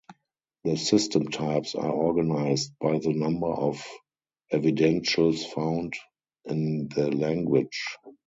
The system types are organized by the number of evidentials found in the language.